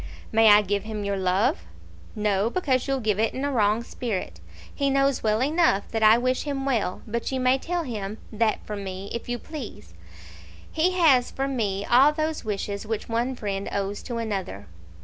"May I give him your love?" "No; because you'll give it in a wrong spirit. He knows well enough that I wish him well; but you may tell him that from me, if you please. He has from me all those wishes which one friend owes to another."